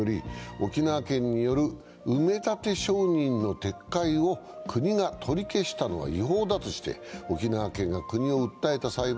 沖縄県による埋め立て承認の撤回を国が取り消したのは違法だとして沖縄県が国を訴えた裁判。